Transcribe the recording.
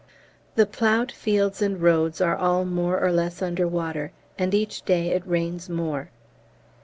The ploughed fields and roads are all more or less under water, and each day it rains more.